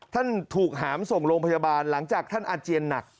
ท่านถูกหามส่งโรงพยาบาลหลังจากท่านอาเจียนหนัก